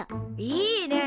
いいね！